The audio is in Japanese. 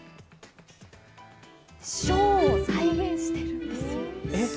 ショーを再現しているんです。